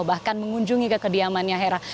bahkan mengunjungi ke kediamannya hera